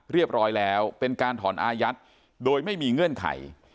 เรียบร้อยแล้วเป็นการถอนอายัดโดยไม่มีเงื่อนไข